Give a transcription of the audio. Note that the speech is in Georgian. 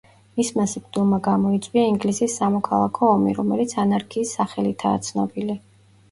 მისმა სიკვდილმა გამოიწვია ინგლისის სამოქალაქო ომი, რომელიც ანარქიის სახელითაა ცნობილი.